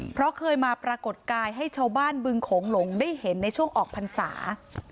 เพราะเคยมาปรากฏกายให้ชาวบ้านบึงโขงหลงได้เห็นในช่วงออกพรรษา